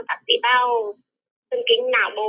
các tỷ bao thân kính nào bồ